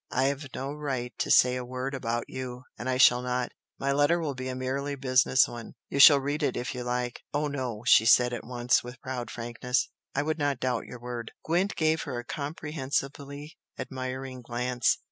I've no right to say a word about you, and I shall not. My letter will be a merely business one you shall read it if you like " "Oh no!" she said at once, with proud frankness; "I would not doubt your word!" Gwent gave her a comprehensively admiring glance.